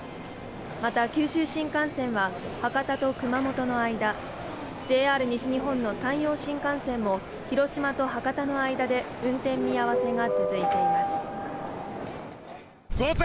また九州新幹線は博多と熊本の間ＪＲ西日本の山陽新幹線も広島と博多の間で運転見合わせが続いています